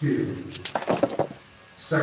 SECT.